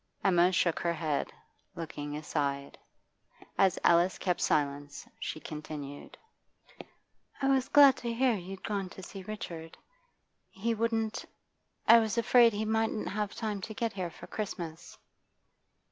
Emma shook her head, looking aside. As Alice kept silence, she continued: 'I was glad to hear you'd gone to see Richard. He wouldn't I was afraid he mightn't have time to get here for Christmas.